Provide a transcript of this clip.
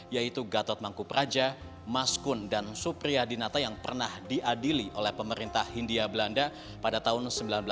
yaitu gatot mangku praja maskun dan supriya dinata yang pernah diadili oleh pemerintah hindia belanda pada tahun seribu sembilan ratus tiga puluh